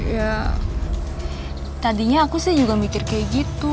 ya tadinya aku sih juga mikir kayak gitu